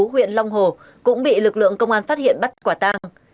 huyện long hồ cũng bị lực lượng công an phát hiện bắt quả tang